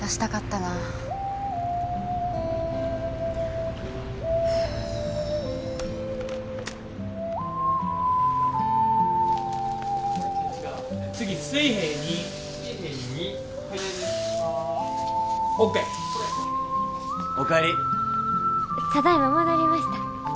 ただいま戻りました。